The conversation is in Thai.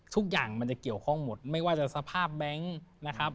ทุกอย่างมันจะเกี่ยวข้องหมดไม่ว่าจะสภาพแบงค์นะครับ